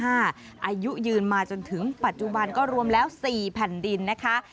อายุยืนมาจนถึงปัจจุบันก็รวมแล้ว๔แผ่นดินนะคะ